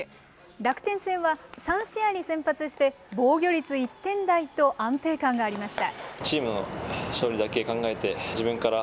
楽天戦は３試合に先発して、防御率１点台と安定感がありました。